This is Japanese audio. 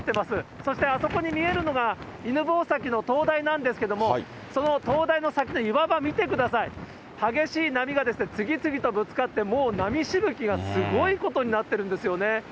そしてあそこに見えるのが、犬吠埼の灯台なんですけれども、その灯台の先の岩場、見てください、激しい波が次々とぶつかって、もう波しぶきがすごいことになってるんですよね。